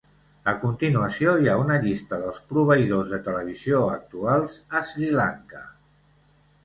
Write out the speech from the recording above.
A continuació, hi ha una llista dels proveïdors de televisió actuals a Sri Lanka.